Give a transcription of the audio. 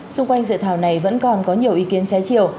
xung quanh dự thảo này vẫn còn có nhiều ý kiến trái chiều